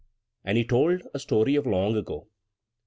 And he told a story of long ago.